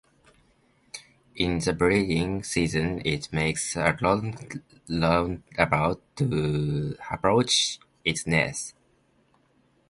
In the breeding season it makes a long roundabout to approach its nest.